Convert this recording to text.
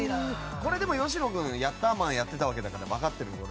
これ、吉野君はヤッターマンやってたわけだから分かってるよね？